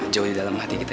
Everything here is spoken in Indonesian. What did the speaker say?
jauh di dalam hati kita